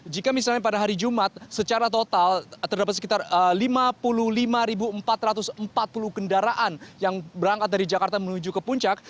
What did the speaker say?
jika misalnya pada hari jumat secara total terdapat sekitar lima puluh lima empat ratus empat puluh kendaraan yang berangkat dari jakarta menuju ke puncak